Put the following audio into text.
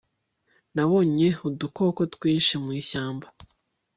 nabonye udukoko twinshi mu ishyamba